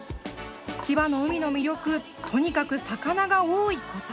「千葉の海の魅力とにかく魚が多いこと。